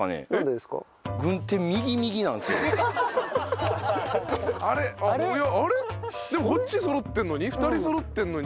でもこっちそろってるのに？